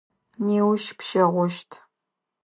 Неущ пщэгъощт.